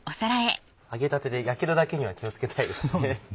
揚げたてでやけどだけには気を付けたいですね。